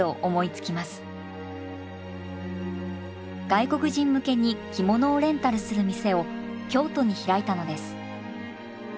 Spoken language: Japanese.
外国人向けに着物をレンタルする店を京都に開いたのです。